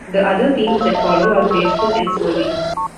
The other themes that follow are graceful and swirling.